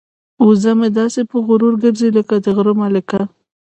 وزه مې داسې په غرور ګرځي لکه د غره ملکه.